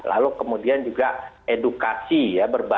lalu kemudian juga edukasi ya berbasis kearifan masyarakat